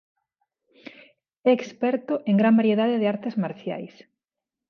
É experto en gran variedade de artes marciais.